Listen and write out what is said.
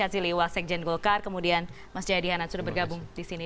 kak aci liwasek jen golkar kemudian mas jaya dihanat sudah bergabung di sini